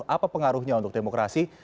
apa pengaruhnya untuk demokrasi